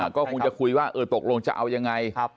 ก็คงจะคุยว่าตกลงจะเอายังไง